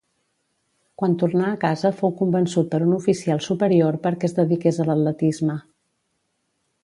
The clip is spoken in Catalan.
Quan tornà a casa fou convençut per un oficial superior perquè es dediqués a l'atletisme.